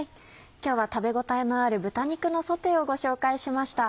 今日は食べ応えのある「豚肉のソテー」をご紹介しました。